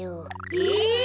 え。